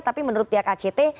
tapi menurut pihak act